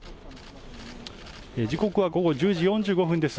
時刻は午後１０時４５分です。